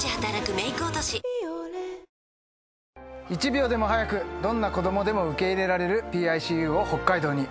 １秒でも早くどんな子供でも受け入れられるＰＩＣＵを北海道に。